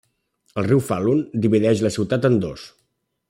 El riu Falun divideix la ciutat en dos.